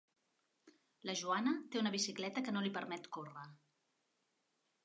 La Joana té una bicicleta que no li permet córrer.